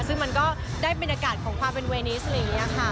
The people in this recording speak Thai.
ซึ่งมันก็ได้บรรยากาศของความเป็นเวนิสอะไรอย่างนี้ค่ะ